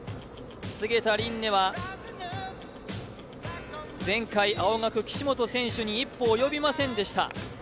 菅田琳寧は前回、青学・岸本選手に一歩及びませんでした。